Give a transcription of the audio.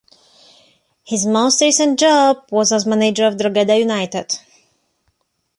His most recent job was as manager of Drogheda United.